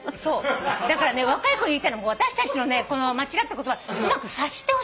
だからね若い子に言いたいのは私たちのね間違った言葉うまく察してほしいんだよね。